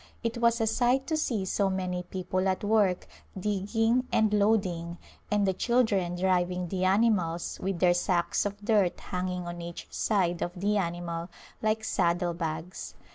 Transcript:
It was a sight to see so many people at work digging and loading, and the children driving the animals with their sacks of dirt hanging on each side of the animal like saddle bags.